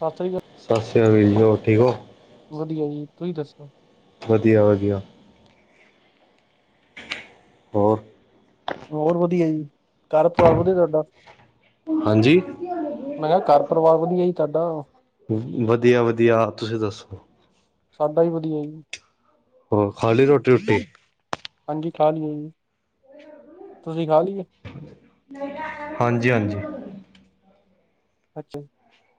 ਸਤਿ ਸ਼੍ਰੀ ਅਕਾਲ ਸਤਿ ਸ੍ਰੀ ਅਕਾਲ ਵੀਰ ਜੀ ਹੋਰ ਠੀਕ ਹੋ ਵਧੀਆ ਜੀ ਤੁਸੀਂ ਦੱਸੋ ਵਧੀਆ ਵਧੀਆ ਹੋਰ ਹੋਰ ਵਧੀਆ ਜੀ ਘਰ ਪਰਿਵਾਰ ਵਧੀਆ ਤੁਹਾਡਾ ਹਾਂਜੀ ਮੈਂ ਕਿਹਾ ਘਰ ਪਰਿਵਾਰ ਵਧੀਆ ਜੀ ਤੁਹਾਡਾ ਵਧੀਆ ਵਧੀਆ ਤੁਸੀਂ ਦੱਸੋ ਸਾਡਾ ਵੀ ਵਧੀਆ ਜੀ ਹੋਰ ਖਾਲੀ ਰੋਟੀ ਰੂਟੀ ਹਾਂਜੀ ਖਾ ਲਈ ਏ ਜੀ ਤੁਸੀਂ ਖਾ ਲਈ ਏ ਹਾਂਜੀ ਹਾਂਜੀ ਅੱਛਾ ਜੀ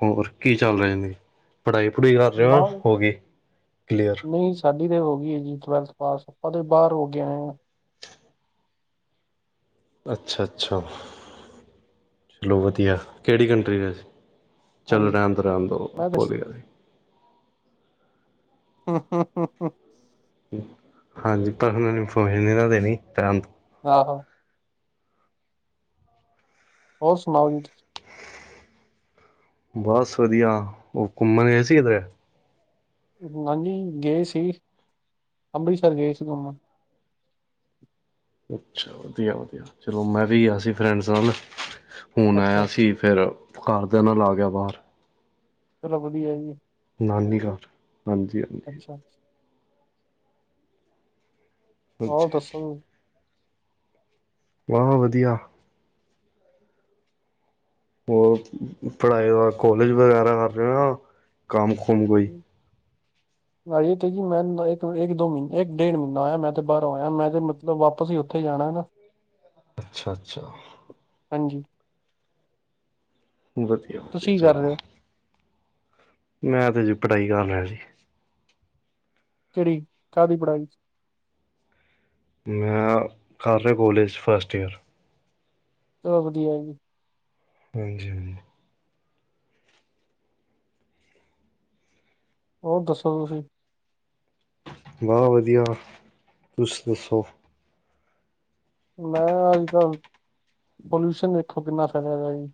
ਹੋਰ ਕੀ ਚੱਲ ਰਿਹਾ [unintelligible] ਪੜ੍ਹਾਈ ਪੜੂਈ ਕਰ ਰਹੇ ਹੋ ਬਾਹਰ ਹੋ ਗਈ ਕਲੀਅਰ ਨਹੀਂ ਸਾਡੀ ਤੇ ਹੋ ਗਈ ਹੈ ਜੀ ਟਵੈਲਥ ਪਾਸ ਆਪਾਂ ਤੇ ਬਾਹਰ ਹੋ ਗੇ ਆਏ ਹਾਂ ਅੱਛਾ ਅੱਛਾ ਸ਼ਲੋ ਵਧੀਆ ਕਿਹੜੀ ਕੰਟਰੀ ਦੇ ਵਿੱਚ ਚੱਲੋ ਹਾਂਜੀ ਰਹਿਣ ਦੋ ਰਹਿਣ ਦੋ ਮੈਂ ਭੂਲ ਦੱਸ ਗਿਆ ਸੀ ਹਾਂ ਹਾਂ ਹਾਂ ਹਾਂ ਹਾਂਜੀ ਪਰ [unintelligible] ਆਹੋ ਹੋਰ ਸੁਣਾਓ ਵੀਰ ਜੀ ਬਸ ਵਧੀਆ ਉਹ ਘੁੰਮਣ ਗਏ ਸੀ ਕਿੱਧਰੇ ਹਾਂਜੀ ਗਏ ਸੀ ਅੰਮ੍ਰਿਤਸਰ ਗਏ ਸੀ ਘੁੰਮਣ ਅੱਛਾ ਵਧੀਆ ਵਧੀਆ ਚਲੋ ਮੈਂ ਵੀ ਗਿਆ ਸੀ ਫਰੈਂਡਸ ਨਾਲ ਫੋਨ ਅੱਛਾ ਆਇਆ ਸੀ ਚਲੋ ਫੇਰ ਘਰਦਿਆਂ ਨਾਲ ਆ ਗਿਆ ਬਾਹਰ ਚਲੋ ਵਧੀਆ ਜੀ ਨਾਨੀ ਘਰ ਹਾਂਜੀ ਹਾਂਜੀ ਅੱਛਾ ਹਾਂਜੀ ਹੋਰ ਦੱਸੋ ਬਾ ਵਧੀਆ ਉਹ ਪੜ੍ਹਾਈ ਦਾ ਕੋਲੇਜ ਵਗੈਰਾ ਕਰ ਰਹੇ ਹੋ ਯਾ ਕੰਮ ਕੁਮ ਕੋਈ [inaudible] [unintelligible] ਇਕ ਦੋ ਮਹੀਨੇ ਇੱਕ ਡੇਢ ਮਹੀਨਾ ਹੋਇਆ ਮੈਂ ਤੇ ਬਾਹਰੋਂ ਆਇਆ ਮੈਂ ਤੇ ਬ ਵਾਪਸ ਹੀ ਉੱਥੇ ਜਾਣਾ ਵਾ ਅੱਛਾ ਅੱਛਾ ਹਾਂਜੀ ਵਧੀਆ ਵਧੀਆ ਤੁਸੀਂ ਕੀ ਕਰ ਚਲੋ ਰਹੇ ਹੋ ਮੈਂ ਤੇ ਜੀ ਪੜ੍ਹਾਈ ਕਰ ਰਿਆਂ ਸੀ ਕਿਹੜੀ ਚਾਹਦੀ ਪੜਾਈ ਚ ਮੈਂ ਕਰ ਰਿਹਾ ਕੋਲੇਜ ਫਸਟ ਈਅਰ ਚਲੋ ਵਧੀਆ ਹੈ ਜੀ ਹਾਂਜੀ ਹਾਂਜੀ ਹੋਰ ਦੱਸੋ ਤੁਸੀਂ ਬਾਹ ਵਧੀਆ ਤੁੱਸੀ ਦੱਸੋ ਮੈਂ ਅੱਜ ਕੱਲ੍ਹ ਪੋਲਿਊਸ਼ਨ ਦੇਖੋ ਕਿੰਨਾ ਫੈਲਿਆ [unintelligible] ਜੀ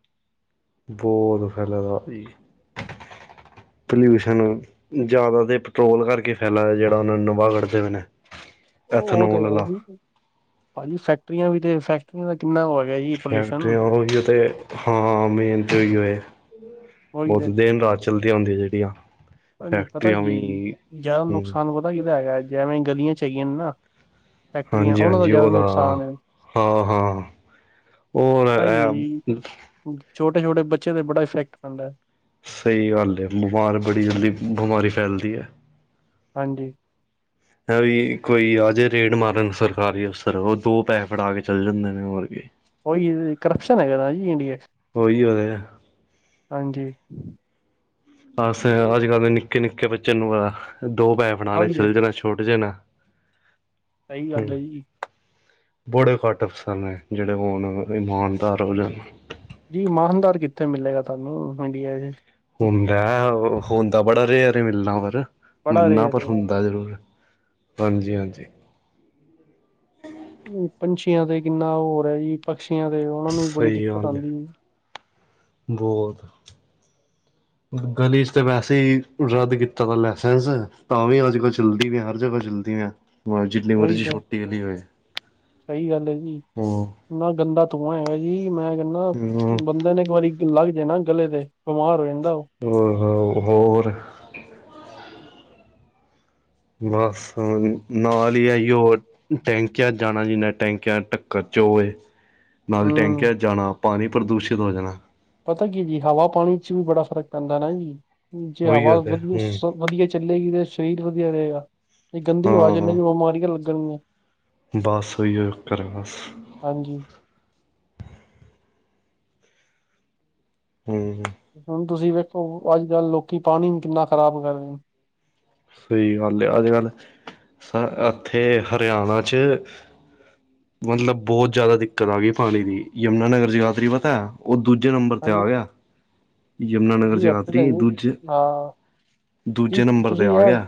ਬਹੁਤ ਫੈਲਿਆ ਦਾ ਜੀ ਪਲਿਊਸ਼ਨ ਜ਼ਿਆਦਾ ਤੇ ਪੈਟਰੋਲ ਕਰਕੇ ਫੈਲਾ ਜਿਹੜਾ ਉਹਨਾਂ ਨੂੰ ਨਵਾ ਕੱਢਦੇ [unintelligible] ਨੇ ਉਹ ਉਹ ਤੇ ਐਥਨੋਲ ਹੈ ਵਾਲਾ ਜੀ ਭਾਜੀ ਫੈਕਟਰੀਆਂ ਵੀ ਤੇ ਫੈਕਟਰੀਆਂ ਦਾ ਕਿੰਨਾ ਉਹ ਹੈ ਗਿਆ ਜੀ ਪੋਲਿਊਸ਼ਨ ਫੈਕਟਰੀਆਂ ਉਹੀ ਤੇ ਹਾਂ ਮੇਨ ਤੇ ਉਹੀਉ ਏ ਉਹੀ ਤੇ ਉਹ ਦਿਨ ਰਾਤ ਚਲਦੀਆਂ ਹੁੰਦੀਆਂ ਜਿਹੜੀਆਂ [unintelligible] ਪਤਾ ਫੈਕਟਰੀਆਂ ਕੀ ਹੈ ਜੀ ਵੀ ਜ਼ਿਆਦਾ ਹੂੰ ਨੁਕਸਾਨ ਪਤਾ ਕਿਹਦਾ ਹੈਗਾ ਜੇਵੇਂ ਗਲੀਆਂ ਚ ਹੇਗਿਆਂ ਨੇ ਨਾ ਫੈਕਟਰੀਆਂ ਹਾਂਜੀ ਉਹਨਾਂ ਦਾ ਹਾਂਜੀ ਜ਼ਿਆਦਾ ਉਹਦਾ ਨੁਕਸਾਨ ਹੈ ਹਾਂ ਹਾਂ ਹੋਰ ਪਤਾ ਐ ਕੀ ਹੈ ਜੀ ਛੋਟੇ ਛੋਟੇ ਬੱਚਿਆਂ ਤੇ ਬੜਾ ਇਫੈਕਟ ਪੈਂਦਾ ਹੈ ਸਹੀ ਗੱਲ ਹੈ ਬਿਮਾਰ ਬੜੀ ਜਲਦੀ ਬਿਮਾਰੀ ਫੈਲਦੀ ਹੈ ਹਾਂਜੀ ਹੈ ਵੀ ਕੋਈ ਆਜੇ ਰੇਡ ਮਾਰਨ ਸਰਕਾਰੀ ਅਫਸਰ ਉਹ ਦੋ ਪੈਹੇ ਫੜਾ ਕੇ ਚੱਲ ਜਾਂਦੇ ਨੇ ਹੋਰ ਕੀ ਉਹੀ ਕਰਪਸ਼ਨ ਹੈਗਾ ਜੀ ਇੰਡੀਆ 'ਚ ਉਹੀਉ ਦੇ ਹਾਂਜੀ ਅਸ ਅੱਜ ਕੱਲ ਦੇ ਨਿੱਕੇ-ਨਿੱਕੇ ਬੱਚੇ ਨੂੰ ਦੋ ਪੈਹੇ ਫੜਾ ਉਹੀ ਤੇ ਚਲੇ ਜਾਣਾ ਛੁਟ ਜਾਣਾ। ਸਈ ਗੱਲ ਹੂੰ, ਏ ਜੀ। ਬੜੇ ਘੱਟ ਅਫਸਰ ਨੇ ਜੇੜੇ ਹੁਣ ਇਮਾਨਦਾਰ ਹੋ ਜਾਣ। ਜੀ ਇਮਾਨਦਾਰ ਕਿੱਥੇ ਮਿਲੇਗਾ ਤੁਆਨੂੰ ਇੰਡੀਆ ਚ ਹੁੰਦਾ ਹੁਣ ਤਾ ਬੜਾ ਰੇਅਰ ਏ ਮਿਲਣਾ ਹੋਰ ਬੜਾ ਮਿਨਾ ਰੇਟ ਪਰ ਹੁੰ ਤਾ ਜ਼ਰੂਰ ਹਾਂਜੀ-ਹਾਂਜੀ। ਪੰਛੀਆਂ ਤੇ ਕਿੰਨਾ ਹੋਰ ਰਿਆ ਜੀ ਪਕਸ਼ੀਆਂ ਤੇ ਉਨਾ ਨੂੰ ਵੀ ਬੜੀ ਸਹੀ ਦਿੱਕਤ ਆਂਦੀ। ਹੋਰ [inaudible] ਗਲੀ 'ਚ ਤੇ ਵੈਸੇ ਈ ਰੱਦ ਕੀਤਾ ਦਾ ਲਾਇਸੈਂਸ ਤਾਂ ਵੀ ਅੱਜ ਕੱਲ ਚੱਲਦੀ ਵੀ ਹਰ ਜਗ੍ਹਾ ਚੱਲਦੀ ਹੋਰ ਜਿੰਨੀ ਉਹੀ ਮਰਜ਼ੀ ਤੇ ਛੋਟੀ ਗਲੀ ਹੋਏ ਸਹੀ ਗੱਲ ਹੈ ਜੀ ਹੋਰ ਇੰਨਾ ਗੰਦਾ ਧੂੰਆ ਹੈਗਾ ਜੀ ਮੈਂ ਕੈਂਣਾ ਬੰਦੇ ਨੇ ਇੱਕ ਵਾਰੀ ਲੱਗ ਜਾਏ ਨਾ ਗਲੇ ਤੇ ਬਿਮਾਰ ਹੋ ਜਾਂਦਾ ਓ ਹੋਰ ਬਸ ਹੁਣ ਨਾਲ ਈ ਅਈਉ ਏ। ਟੈਂਕੀਆਂ ਜਾਣਾ ਜਿਨਾ ਟੈਂਕੀਆਂ ਟੱਕਰ 'ਚ ਓ ਏ। ਨਾਲ ਹੂੰ ਟੈਂਕਿਆਂ 'ਚ ਜਾਣਾ ਪਾਣੀ ਪ੍ਰਦੂਸ਼ਿਤ ਹੋ ਜਾਣਾ। ਪਤਾ ਕੀ ਜੀ ਹਵਾ ਪਾਣੀ 'ਚ ਵੀ ਬੜਾ ਫਰਕ ਪੈਂਦਾ ਨਾ ਜੀ ਜੇ ਉਹੀ ਹਵਾ ਗੱਲ ਹੈ ਵਧੀ ਹੂੰ ਸਭ ਵਧੀਆ ਚੱਲੇਗੀ ਤੇ ਸਰੀਰ ਵਧੀਆ ਰਏਗਾ ਤੇ ਗੰਦੀ ਹਵਾ ਹਾਂ ਚੱਲੇਗੀ ਬਿਮਾਰੀਆਂ ਲੱਗਣਗੀਆਂ। ਬਸ ਉਹੀਓ ਫਿਰ ਬਸ ਹਾਂਜੀ ਹੂੰ ਹੁਣ ਤੁਸੀਂ ਵੇਖੋ ਅੱਜ ਕੱਲ੍ਹ ਲੋਕੀ ਪਾਣੀ ਕਿੰਨਾ ਖ਼ਰਾਬ ਕਰ ਰਏ ਨੇ। ਸਈ ਗੱਲ ਏ ਅੱਜ ਕੱਲ੍ਹ ਸਾ ਇੱਥੇ ਹਰਿਆਣਾ 'ਚ ਮਤਲਬ ਬੋਤ ਜਾਦਾ ਦਿੱਕਤ ਆ ਗਈ ਪਾਣੀ ਦੀ ਯਮੁਨਾ ਨਗਰ ਜਗਾਦਰੀ ਪਤਾ ਓ ਦੂਜੇ ਨੰਬਰ ਤੇ ਹਾਂਜੀ ਆ ਗਿਆ। ਯਮੁਨਾਨਗਰ ਜੀ ਇੱਥੇ ਤਾਂ ਜਗਾਧਰੀ ਜੀ ਹਾਂ ਦੂਜੇ-ਦੂਜੇ ਨੰਬਰ ਤੇ ਆ ਗਿਆ।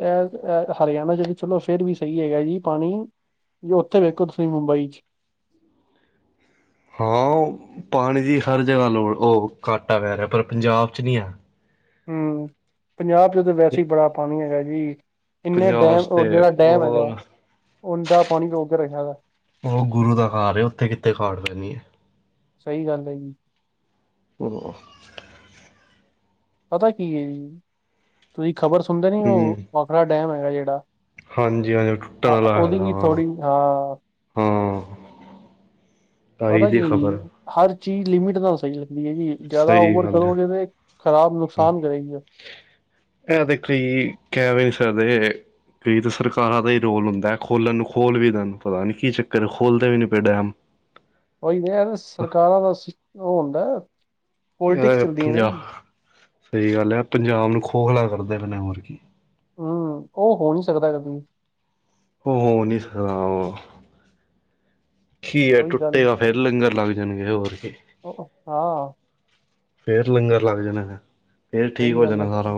ਐ-ਐ ਹਰਿਆਣਾ 'ਚ ਚਲੋ ਫਿਰ ਵੀ ਸਈ ਹੈਗਾ ਜੀ ਪਾਣੀ ਜੀ ਉੱਥੇ ਵੇਖੋ ਤੁਸੀਂ ਮੁੰਬਈ 'ਚ ਹਾਂ ਪਾਣੀ ਦੀ ਹਰ ਜਗ੍ਹਾ ਲੋੜ ਓ ਘਾਟਾ ਪੈ ਰਿਆ ਪਰ ਪੰਜਾਬ 'ਚ ਨਈ ਹੈ। ਹੂੰ ਪੰਜਾਬ 'ਚ ਤਾਂ ਵੈਸੇ ਈ ਬੜਾ ਪਾਣੀ ਹੈਗਾ ਜੀ ਇੰਨੇ ਪੰਜਾਬ ਡੈਮ ਜੇੜਾ ਡੈਮ ਹੈਗਾ। ਉਹਦਾ ਪਾਣੀ ਰੋਕ ਕੇ ਰੱਖਿਆ ਵਾ। ਓ ਗੁਰੂ ਦਾ ਘਰ ਉੱਥੇ ਕਿਥੇ ਖਾੜ ਪੈਣੀ ਏ। ਸਈ ਗੱਲ ਏ ਜੀ। ਓ ਪਤਾ ਕੀ ਏ ਜੀ ਤੁਸੀਂ ਖ਼ਬਰ ਸੁਣਦੇ ਨੀ ਓ ਭਾਖਰਾ ਡੈਮ ਹੈਗਾ ਜੇੜਾ ਹਾਂਜੀ ਹਾਂਜੀ ਟੁੱਟਣ ਹਾ ਵਾਲਾ ਉਦੀ ਹੈਗਾ ਵੀ ਹਾਂ ਥੋੜ੍ਹੀ ਆ। ਹਾਂ। ਆਈ ਪਤਾ ਦੀ ਕੀ ਏ ਖ਼ਬਰ ਜੀ ਹਰ ਚੀਜ਼ ਲਿਮਿਟ ਨਾਲ ਸਈ ਹੋ ਸਕਦੀ ਜੀ। ਜਾਦਾ ਸਹੀ ਓਵਰ ਗੱਲ ਹੈ ਕਰੋਗੇ ਨਾ ਖਰਾਬ ਨੁਕਸਾਨ ਕਰੇਗੀ। ਇਹ ਦੇ ਕਈ ਕੈ ਰਏ ਸਦੇ ਕਈ ਤਾਂ ਸਰਕਾਰਾਂ ਦਾ ਈ ਰੋਲ ਹੁੰਦਾ ਖੋਲਨ ਨੂੰ ਖੋਲ੍ਹ ਵੀ ਦੇਨ ਪਤਾ ਨੀਂ ਕੀ ਚੱਕਰ ਖੋਲਦੇ ਵੀ ਨੀਂ ਪਏ ਡੈਮ ਉਈ ਤੇ ਨਈ ਯ ਸਰਕਾਰਾਂ ਦਾ ਉਹ ਹੁੰਦਾ ਏਨਾਂ ਪੋਲੀਟਿਕਸ ਨੇ ਚੱਲਦੀ ਹੈ ਨਾ ਪੰਜਾਬ, ਜੀ ਸਈ ਗੱਲ ਐ, ਪੰਜਾਬ ਨੂੰ ਖੋਖਲਾ ਕਰਦੇ ਨੇ ਹੋਰ ਕੀ ਹੂੰ, ਓ ਹੋ ਨੀਂ ਸਕਦਾ ਕਦੀ। ਉਹ ਹੋ ਨਹੀਂ ਸਕਦਾ। ਕੀ ਏ ਉਹੀ ਗੱਲ ਟੁੱਟੇਗਾ, ਫੇਰ ਲੰਗਰ ਲੱਗ ਜਾਨਗੇ ਹੋਰ ਕੀ। ਉ, ਹਾਂ ਫੇਰ ਲੰਗਰ ਲੱਗ ਜਾਨੇ ਨੇ। ਸਈ ਗੱਲ ਏ,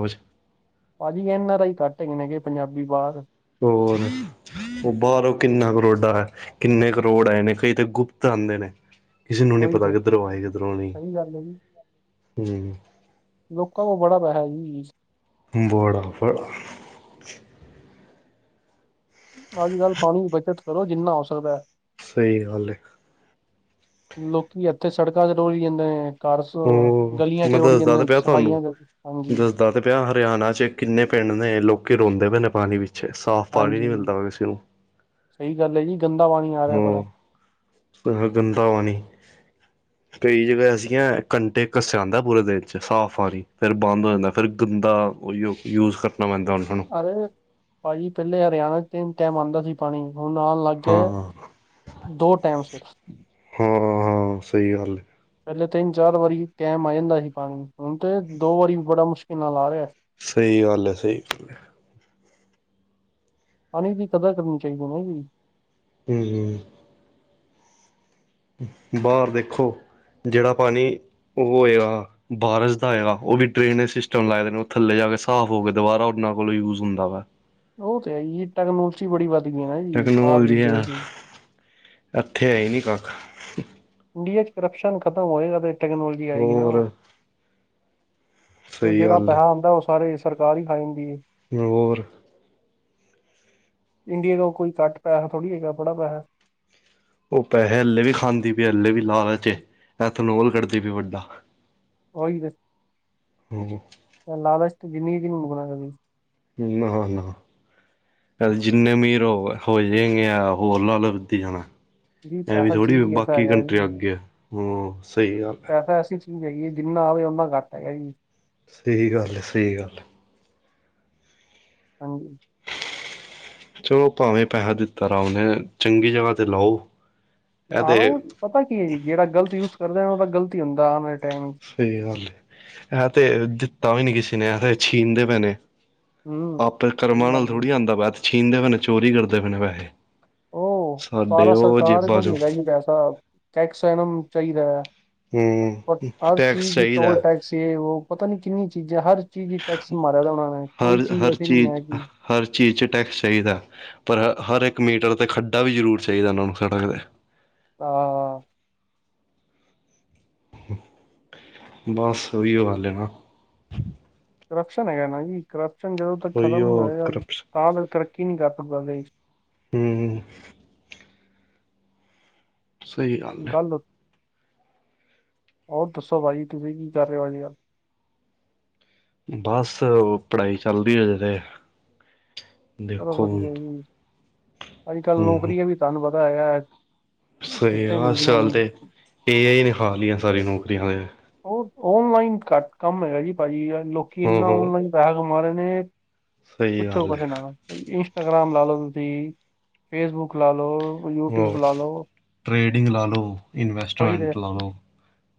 ਭਾਜੀ ਐਨ ਆਰ ਆਈ ਘੱਟ ਹੈਗੇ ਨੇ ਪੰਜਾਬੀ ਬਾਹਰ ਹੋਰ ਉ ਬਾਰੋ ਕਿੰਨਾ ਕਰੋਡਾ ਐ, ਕਿੰਨੇ ਕਰੋੜ ਆਏ ਨੇ ਕਈ ਤਾਂ ਗੁਪਤ ਆਂਦੇ ਨੇ। ਕਿਸੇ ਨੂੰ ਨੀ ਉਹੀ ਪਤਾ ਤੇ ਕਿੱਧਰ ਆਏ ਕਿਧਰੋਂ ਨੀ, ਸਹੀ ਗੱਲ ਹੈ ਜੀ ਹੂੰ ਲੋਕਾਂ ਕੋਲ ਬੜਾ ਪੈਹਾ ਜੀ। ਬੜਾ -ਬੜਾ। ਅੱਜ -ਕੱਲ੍ਹ ਪਾਨੀ ਦੀ ਬੱਚਤ ਕਰੋ, ਜਿੰਨਾ ਹੋ ਸਕਦਾ। ਸਈ ਗੱਲ ਏ। ਲੋਕੀ ਇੱਥੇ ਸੜਕਾਂ ਚ ਰੋੜ੍ਹੀ ਜਾਂਦੇ ਨੇ ਘਰ ਸ ਗਲੀਆਂ ਉਹ 'ਚ ਮੈਂ ਰੋੜੀ ਦੱਸਦਾ ਜਾਂਦੇ, ਤਾਂ ਪਿਆ ਤੁਹਾਨੂੰ ਸਫਾਈਆਂ ਚ, ਹਾਂਜੀ। ਦੱਸਦਾ ਤੇ ਹਰਿਆਨਾ 'ਚ ਕਿੰਨੇ ਪਿੰਡ ਨੇ ਲੋਕ ਰੋਂਦੇ ਪਏ ਨੇ ਪਾਨੀ ਪਿੱਛੇ, ਸਾਫ਼ ਪਾਨੀ ਨੀਂ ਮਿਲਦਾ ਪਿਆ ਕਿਸੇ ਨੂੰ ਸਈ ਗੱਲ ਏ ਜੀ, ਗੰਦਾ ਪਾਨੀ ਆ ਰਿਆ ਬੜਾ। ਬੜਾ ਗੰਦਾ ਪਾਨੀ [inaudible] ਕਈ ਜਗਾ ਐਸੀਆਂ ਘੰਟੇ ਇਕ ਅਸਤੇ ਆਂਦਾ ਪੂਰੇ ਦਿਨ 'ਚ ਸਾਫ ਪਾਣੀ, ਫਿਰ ਬੰਦ ਹੋ ਜਾਂਦਾ, ਫਿਰ ਗੰਦਾ ਉਈਓ ਯੂਜ਼ ਕਰਨਾ ਪੈਂਦਾ ਓਨਾਂ ਨੂੰ। ਅਰੇ ਭਾਜੀ ਪਹਿਲੇ ਹਰਿਆਨਾ ਚ ਤਿੰਨ ਟੈਮ ਆਂਦਾ ਸੀ ਪਾਣੀ, ਹੁਨ ਆਨ ਲੱਗ ਹਾਂ ਗਏ ਦੋ ਟੈਮ ਸਿਰਫ। ਹਾਂ -ਹਾਂ ਸਈ ਗੱਲ ਏ। ਪਹਲੇ ਤਿੰਨ -ਚਾਰ ਵਾਰੀ ਟੈਮ ਆ ਜਾਂਦਾ ਸੀ ਪਾਣੀ, ਹੁਨ ਤੇ ਦੋ ਵਾਰੀ ਬੜਾ ਮੁਸ਼ਕਿਲ ਨਾਲ ਆ ਰੈਆ। ਸਹੀ ਗੱਲ ਏ, ਸਈ ਗੱਲ ਏ। ਪਾਣੀ ਦੀ ਕਦਰ ਕਰਨੀ ਚਾਹੀਦੀ ਹਨਾਂ ਜੀ। ਹੂੰ -ਹੂੰ ਬਾਰ ਦੇਖੋ ਜੈੜਾ ਪਾਣੀ, ਉਹ ਹੋਏਗਾ ਬਾਰਸ਼ ਦਾ ਹੋਏਗਾ ਓ ਵੀ ਡਰੇਨੇਜ ਸਿਸਟਮ ਲਾਏ ਨੇ, ਉ ਥੱਲੇ ਜਾ ਕੇ ਸਾਫ਼ ਹੋ ਕੇ ਦੁਬਾਰਾ ਉਹਨਾਂ ਕੋਲੋਂ ਯੂਜ ਹੁੰਦਾ ਵਾ। ਉਹ ਤੇ ਹੈ ਜੀ, ਟੈਕਨੋਲੋਜੀ ਬੜੀ ਵੱਧ ਗਈ ਹੈ ਨਾ ਜੀ, ਬਾਹਰ ਟੈਕਨੋਲੋਜੀ ਹੈ ਦੇਸ਼ ਇੱਥੇ ਏ ਨੀਂ ਕੱਖ। ਇੰਡੀਆ ਚ ਕਰਪਸ਼ਨ ਖਤਮ ਹੋਏਗਾ ਤੇ ਟੈਕਨੋਲੋਜੀ ਆਏਗੀ ਨਾ। ਹੋਰ ਸਹੀ ਜੈੜਾ ਗੱਲ ਏ ਪੈਹਾ ਆਂਦਾ ਓ ਸਾਰੇ ਸਰਕਾਰ ਈ ਖਾ ਜਾਂਦੀ ਏ। ਹੋਰ? ਇੰਡੀਆ ਤੋਂ ਕੋਈ ਘਟ ਪੈਹਾ ਥੋੜ੍ਹੀ ਹੈਗਾ, ਬੜਾ ਪੈਹਾ। ਉ ਪੈਹੇ ਹੱਲੇ ਵੀ ਖਾਂਦੀ ਪਈ ਏ, ਹਲੇ ਵੀ ਲਾਲਚ ਏ ਐਥਨੋਲ ਕਦੀ ਪਈ ਵੱਡਾ। ਓਈ ਤੇ। ਹੂੰ ਲਾਲਚ ਤੇ ਜ਼ਿੰਦਗੀ ਚ ਨੀ ਮੁਕਨਾ ਕਦੀ। ਨਾ- ਨਾ ਏ ਜਿੰਨੇ ਅਮੀਰ ਹੋ -ਹੋ ਜਾਏਗੇ, ਆ ਹੋਰ ਲਾਲਚ ਵੱਧੀ ਜਾਣਾ। ਜੀ ਐਵੇ ਵੀਂ ਪੈਸਾ ਥੋੜੀ ਚੀਜ਼ ਹੀ ਐਸਾ ਬਾਕੀ ਹੈਗਾ ਜੀ ਕੰਟਰੀਆਂ ਅੱਗੇ ਏ, ਹੂੰ ਸਈ ਗੱਲ ਏ। ਨਈ ਜਿੰਨਾ ਆਵੇ ਓਨਾ ਕੱਟ ਹੈਗਾ ਜੀ। ਸਈ ਗੱਲ ਐ-ਸਈ ਗੱਲ ਐ। ਹਾਂਜੀ। ਚਲੋ ਪਾਵੇਂ ਪੈਹਾ ਦਿੱਤਾ ਰਾ ਓਨੇ ਚੰਗੀ ਜਗ੍ਹਾ ਤੇ ਲਾਓ। ਇਹ ਤੇ ਆਹੋ ਪਤਾ ਕੀ ਏ ਜੀ ਜੇੜਾ ਗਲਤ ਯੂਜ ਕਰਦਾ ਓਦਾ ਗ਼ਲਤ ਈ ਹੁੰਦਾ ਆਣ ਵਾਲੇ ਟਾਈਮ ਸਈ ਗੱਲ ਏ ਐ ਤੇ ਦਿੱਤਾ ਵੀ ਨੀ ਕਿਸੇ ਨੇ ਐ ਤੇ ਛੀਨਦੇ ਪੇ ਨੇ ਹੂੰ। ਆਪੇ ਸਹੀ ਕਰਮਾਂ ਗੱਲ ਨਾਲ ਜੀ ਥੋੜੀ ਆਂਦਾ ਪਯਾ ਐ ਤੇ ਛਿਨਦੇ ਪਏ ਨੇ ਚੋਰੀ ਕਰਦੇ ਪਏ ਨੇ ਪੈਹੇ। ਓ ਸਾਰਾ ਸਰਕਾਰ ਥੋੜੀ ਲੈਜਾਏਗੀ ਪੈਸਾ ਟੈਕਸ ਓਨਾਂ ਨੂੰ ਚਾਇਦਾ ਹੂੰ ਹਰ ਟੈਕਸ ਚੀਜ਼ ਦੀ ਚਾਹੀਦਾ ਟੋਲ ਟੈਕਸ ਤੇ ਵੋ ਪਤਾ ਨੀ ਕਿੰਨੀਆਂ ਚੀਜ਼ਾਂ ਹਰ ਚੀਜ਼ ਚ ਟੈਕਸ ਮਾਰਿਆ ਦਾ ਓਨਾਂ ਨੇ ਕੋਈ ਹਰ ਹਰ ਐਸੀ ਨਹੀਂ ਚੀਜ਼ ਹੈ ਚ ਕਿ ਹਰ ਚੀਜ਼ ਚ ਟੈਕਸ ਚਾਇਦਾ ਪਰ ਹ ਹਰ ਇੱਕ ਮੀਟਰ ਤੇ ਖੱਡਾ ਵੀ ਜ਼ਰੂਰ ਚਾਇਦਾ ਏਨਾਂ ਨੂੰ ਸੜਕ ਤੇ ਹਾਂ। ਬਸ ਓਇਓ ਗੱਲ ਏ ਨਾ ਕਰਪਸ਼ਨ ਹੈਗਾ ਨਾ ਜੀ ਕਰਪਸ਼ਨ ਜਦੋਂ ਤੱਕ ਖ਼ਤਮ ਨੀ ਉਹੀਓ ਹੋਏਗਾ ਕਰਪਸ਼ਨ ਤਾਂ ਤਕ ਤਰੱਕੀ ਨੀ ਕਰ ਸਕਦਾ ਦੇਸ਼। ਹੂੰ ‌। ਸਹੀ ਹੈ ਗੱਲ, ਹੋਰ ਦੱਸੋ ਪਾਜੀ ਤੁਸੀਂ ਕੀ ਕਰ ਰੇ ਓ ਅਜ-ਕੱਲ- ਬਸ ਪੜ੍ਹਾਈ ਚੱਲ ਰੀ ਹਜੇ ਤੇ ਚਲੋ ਦੇਖੋ ਹੁਣ ਵਧੀਆ ਜੀ ਅੱਜ-ਕੱਲ ਹੂੰ ਨੌਕਰੀਆਂ ਵੀ ਤੁਆਨੂੰ ਪਤਾ ਹੈਗਾ ਸਹੀ ਕਿੱਥੇ ਆ ਮਿਲਦੀਆਂ ਅੱਜ-ਚੱਲ ਨੇ ਤੇ ਏ ਆਈ ਨੇ ਖਾ ਲੀਆਂ ਸਾਰੀ ਨੌਕਰੀਆਂ ਤੇ ਔਫ ਔਫਲਾਈਨ ਘੱਟ ਕੰਮ ਹੈਗਾ ਜੀ ਪਾਜੀ ਲੋਕੀ ਹੂੰ ਏਨਾ ਹੂੰ ਔਨਲਾਈਨ ਪੈਹਾ ਕਮਾ ਰੇ ਨੇ ਸਹੀ ਪੁੱਛੋ ਗੱਲ ਕੁਛ ਹੈ ਨਾ ਇੰਸਟਾਗ੍ਰਾਮ ਲਾਲੋ ਤੁਸੀਂ ਫੇਸਬੁੱਕ ਲਾਲੋ ਹੋਰ ਟ੍ਰੇਡਿੰਗ ਲਾਲੋ ਓਈ ਤੇ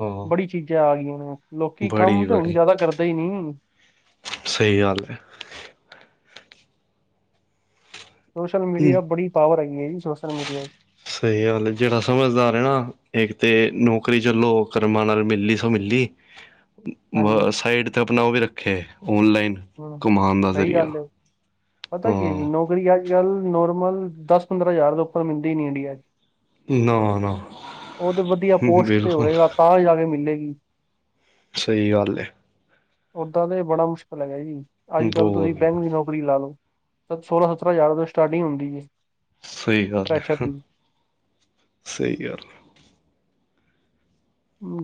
ਹਾਂ ਬੜੀ ਚੀਜ਼ਾਂ ਆ ਗਈਆਂ ਨੇ। ਲੋਕੀ ਬੜੀ ਕੰਮ ਤੇ ਹੁਣ ਜਾਦਾ ਕਰਦੇ ਈ ਨੀ। ਸਈ ਗੱਲ ਏ। ਸੋਸ਼ਲ ਮੀਡੀਆ ਬੜੀ ਪਾਵਰ ਹੈਗੀ ਏ ਜੀ ਸੋਸ਼ਲ ਮੀਡੀਆ ਸਈ ਗੱਲ ਏ ਜੇੜਾ ਸਮਝਦਾਰ ਏ ਨਾ ਇੱਕ ਤੇ ਨੌਕਰੀ ਚਲੋ ਕਰਮਾ ਨਾਲ ਮਿਲੀ ਸੋ ਮਿਲੀ [inaudible] ਹਾਂਜੀ ਸਾਇਡ ਤੇ ਆਪਣਾ ਓ ਵੀ ਰੱਖੇ ਵੂਲਲਾਈਨ ਹੂੰ ਸਈ ਗੱਲ ਏ ਪਤਾ ਕੀ ਏ ਜੀ ਹਾਂ ਨੋ ਅੱਜ-ਕੱਲ ਨੋਰਮਲ ਦਸ-ਪੰਦਰਾਂ ਹਜ਼ਾਰ ਦੇ ਉੱਪਰ ਮਿਲਦੀ ਈ ਨੀ ਇੰਡੀਆ ਚ ਨਾ ਨਾ ਓ ਤੇ ਵਧੀਆ ਪੋਸਟ ਤੇ ਬਿਲਕੁਲ ਹੋਏਗਾ ਤਾਂ ਈ ਜਾ ਕੇ ਮਿਲੇਗੀ। ਸਈ ਗੱਲ ਏ। ਓਦਾਂ ਤੇ ਬੜਾ ਮੁਸ਼ਕਿਲ ਹੈਗਾ ਜੀ ਅੱਜ-ਕੱਲ ਤੁਸੀਂ ਬਹੁਤ ਬੈਂਕ ਦੀ ਨੌਕ ਲੀ ਲਾਲੋ ਸੋਲਾਂ-ਸਤਰਾਂ ਹਜ਼ਾਰ ਤੋ ਸਟਾਰਟਿੰਗ ਹੁੰਦੀ ਜੇ। ਸਈ ਗੱਲ ਏ-ਸਈ ਗੱਲ ਏ।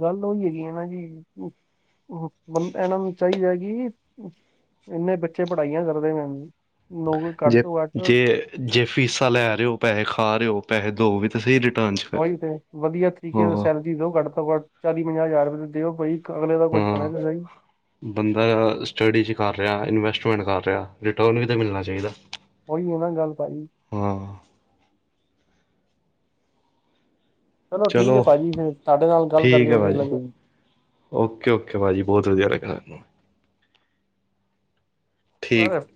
ਗੱਲ ਓਈ ਹੈਗੀ ਏ ਨਾ ਜੀ ਬ ਮਤਲਬ ਏਨਾਂ ਨੂੰ ਚਾਇਦਾ ਕਿ ਏਨੇ ਬੱਚੇ ਪੜ੍ਹਾਈਆਂ ਕਰਦੇ ਨੇ ਜੀ ਨੌਕਰੀ ਕੱਟ ਜੇ ਤੋਂ ਕੱਟ ਜੇ ਜੇ ਫੀਸਾਂ ਲੈ ਰੇ ਓ ਪੈਹੇ ਖਾ ਰੇ ਹੋ ਪੈਹੇ ਦੋ ਵੀ ਤੇ ਸਈ ਓਈ ਤੇ ਵਧੀਆ ਤਰੀਕੇ ਐ ਸੈਲਰੀ ਦੋ ਕੱਟ ਤੋਂ ਕੱਟ ਚਾਲੀ- ਪੰਜਾਹ ਹਜ਼ਾਰ ਰੁਪੇ ਦਿਓ ਬਈ। ਅਗਲੇ ਦਾ ਕੁੱਛ ਹਾਂ ਬਣੇ ਤਾਂ ਸਈ। ਬੰਦਾ ਸਟੱਡੀ ਚ ਕਰ ਰੇਆ ਇਨਵੈਸਟਮੈਂਟ ਕਰ ਰੇਆ ਰਿਟਰਨ ਵੀ ਤੇ ਮਿਲਣਾ ਚਾਇਦਾ। ਓਇਓ ਏ ਨਾ ਗੱਲ ਸਾਰੀ। ਚਲੋ ਠੀਕੈ ਪਾਜੀ, ਫੇਰ ਤਾਡੇ ਨਾਲ ਗੱਲ ਕਰਕੇ ਵਦੀਆ ਲੱਗੇਆ ਜੀ। ਓਕੇ-ਓਕੇ ਪਾਜੀ ਬੋਤ ਵਦੀਆ ਲਗੇਆ ਹਾਨੂੰ। ਬ ਠੀਕ [unintelligible]